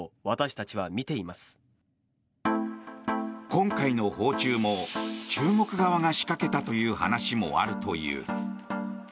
今回の訪中も中国側が仕掛けたという話もあるという。